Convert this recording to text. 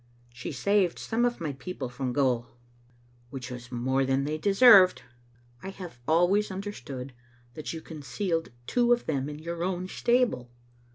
'*" She saved some of my people from gaol. "Which was more than they deserved." " I have always understood that you concealed two of them in your own stable."